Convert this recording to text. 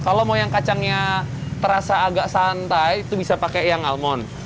kalau mau yang kacangnya terasa agak santai itu bisa pakai yang almond